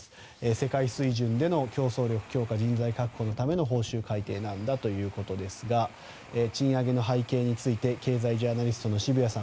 世界水準での競争力強化人材確保のための報酬改定なんだということですが賃上げの背景について経済ジャーナリストの渋谷さん